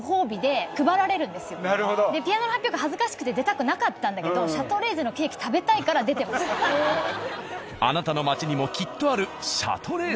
でピアノの発表会恥ずかしくて出たくなかったんだけど「シャトレーゼ」のあなたの街にもきっとある「シャトレーゼ」。